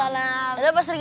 ya udah pas breat